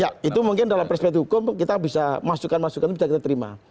ya itu mungkin dalam perspektif hukum kita bisa masukan masukan bisa kita terima